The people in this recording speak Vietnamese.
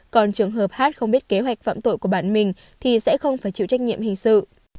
còn trường hợp hát không biết kế hoạch phạm tội của bản mình thì sẽ không phải chịu trách nhiệm hình sự